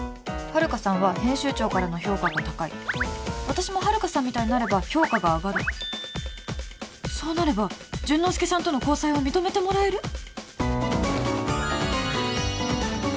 遥さんは編集長からの評価が高い私も遥さんみたいになれば評価が上がるそうなれば潤之介さんとの交際を認めてもらえる！？